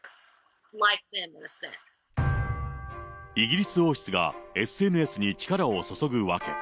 イギリス王室がＳＮＳに力を注ぐ訳。